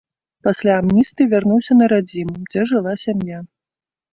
Пасля амністыі вярнуўся на радзіму, дзе жыла сям'я.